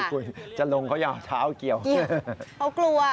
คุณจะลงเขาอย่างเท้าเกี่ยวเกี่ยวเขากลัว